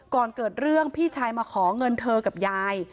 ก่อนเกิดเรื่องพี่ชายมาขอเงินเธอกับยาย